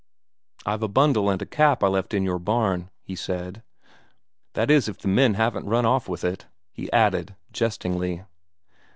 "I've a bundle and a cap I left in your barn," he said. "That is if the men haven't run off with it," he added jestingly.